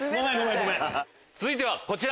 続いてはこちら。